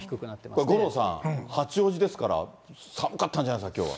これ、五郎さん、八王子ですから、寒かったんじゃないですか、きょうは。